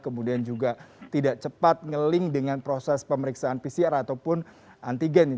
kemudian juga tidak cepat nge link dengan proses pemeriksaan pcr ataupun antigen